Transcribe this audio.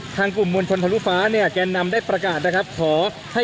ทางกลุ่มมวลชนทะลุฟ้าทางกลุ่มมวลชนทะลุฟ้า